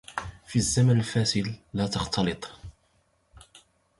في الزمن الفاسد لا تختلط